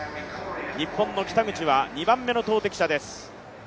日本の北口は２番目の投てき者です